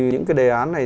những cái đề án này